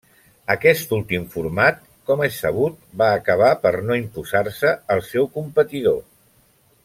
Aquest últim format, com és sabut, va acabar per no imposar-se al seu competidor.